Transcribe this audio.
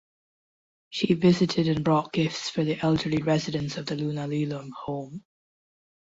She visited and brought gifts for the elderly residents of the Lunalilo Home.